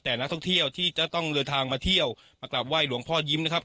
แต่นักท่องเที่ยวที่จะต้องเดินทางมาเที่ยวมากลับไห้หลวงพ่อยิ้มนะครับ